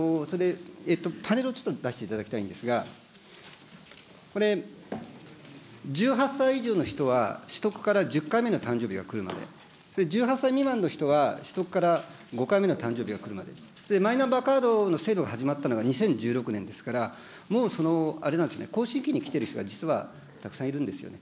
パネルをちょっと出していただきたいんですが、これ、１８歳以上の人は取得から１０回目の誕生日が来るまで、１８歳未満の人は取得から５回目の誕生日が来るまで、マイナンバーカードの制度が始まったのは２０１６年ですから、もうそのあれなんですね、更新期に来ている人が実はたくさんいるんですよ。